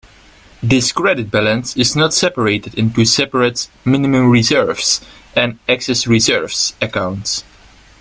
This credit balance is not separated into separate "minimum reserves" and "excess reserves" accounts.